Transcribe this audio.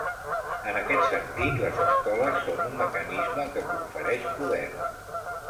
En aquest sentit, les escoles són un mecanisme que confereix poder.